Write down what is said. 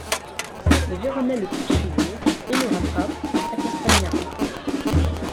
Les véronais le poursuivirent et le rattrapent à Castagnaro.